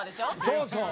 そうそう。